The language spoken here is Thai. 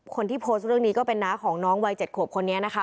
คนที่โพสต์เรื่องนี้ก็เป็นน้าของน้องวัย๗ขวบคนนี้นะคะ